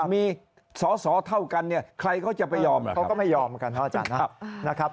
มีสอสอเท่ากันใครเขาจะไปยอมหรือครับ